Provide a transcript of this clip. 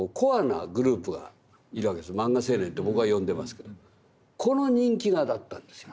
漫画青年と僕は呼んでますけどこの人気がだったんですよ。